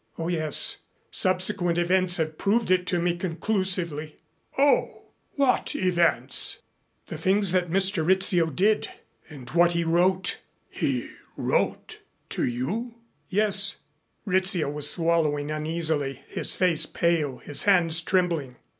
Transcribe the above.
"Oh, yes. Subsequent events have proved it to me conclusively." "Oh! What events?" "The things that Mr. Rizzio did and what he wrote." "He wrote to you?" "Yes." Rizzio was swallowing uneasily, his face pale, his hands trembling.